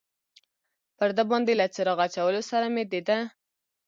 پر ده باندې له څراغ اچولو سره مې د ده.